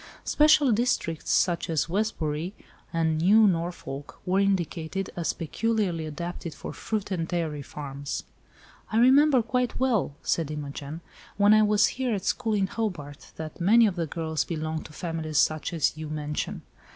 Special districts, such as Westbury and New Norfolk, were indicated as peculiarly adapted for fruit and dairy farms." "I remember quite well," said Imogen, "when I was here at school in Hobart, that many of the girls belonged to families such as you mention.